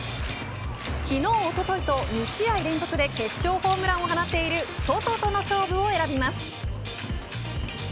昨日おとといと２試合連続で決勝ホームランを放っているソトとの勝負を選びます。